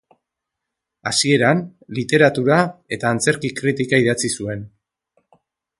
Hasieran literatura eta antzerki-kritika idatzi zuen.